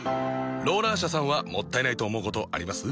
ローラー車さんはもったいないと思うことあります？